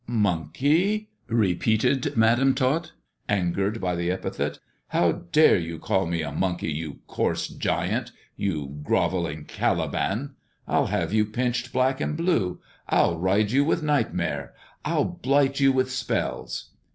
" Monkey !" repeated Madam Tot, angered by the epithet, " how dare you call me monkey, you coarse giant — you grovelling Caliban ! I'll have you pinched black and blue — I'll ride you with nightmare I I'll blight you with spells."